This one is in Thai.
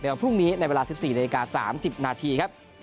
เดี๋ยวพรุ่งนี้ในเวลา๑๔นาฬิกา๓๐นาที